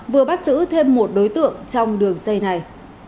vừa bắt giữ thêm một đối tượng trong đường dây này